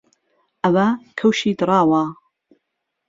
ئەوە کەوشی دڕاوە